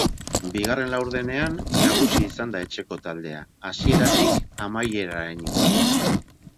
Bigarren laurdenean nagusi izan da etxeko taldea hasieratik amaieraraino.